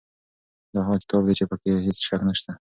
دا هغه کتاب دی چې په کې هیڅ شک نشته.